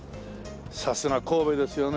さすが神戸ですよね